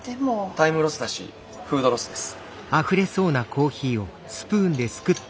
タイムロスだしフードロスです。